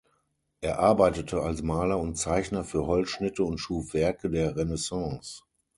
Er arbeitete als Maler und Zeichner für Holzschnitte und schuf Werke der Renaissance.